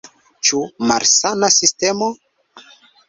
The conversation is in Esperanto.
Ĉu malsana sistemo?